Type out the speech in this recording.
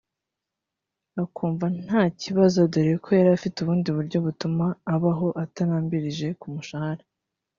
akumva nta kibazo dore ko yari afite ubundi buryo butuma abaho atarambirije ku mushahara